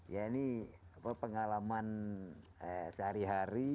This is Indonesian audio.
ya ini pengalaman sehari hari